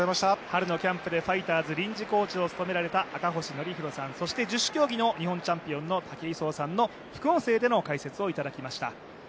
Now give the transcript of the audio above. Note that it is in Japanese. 春のキャンプで臨時コーチを務められた赤星憲広さん、十種競技の日本チャンピオンの武井壮さんの副音声での解説でした。